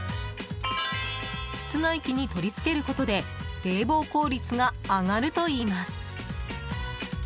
室外機に取り付けることで冷房効率が上がるといいます。